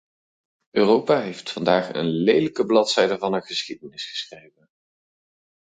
Europa heeft vandaag een lelijke bladzijde van haar geschiedenis geschreven.